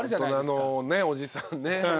大人のねおじさんね。